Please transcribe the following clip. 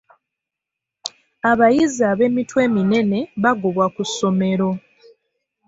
Abayizi ab'emitwe eminene bagobwa ku ssomero.